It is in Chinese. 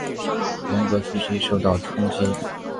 文革初期受到冲击。